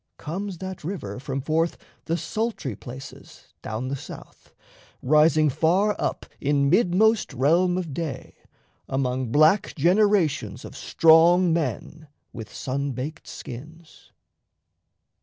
Comes that river From forth the sultry places down the south, Rising far up in midmost realm of day, Among black generations of strong men With sun baked skins.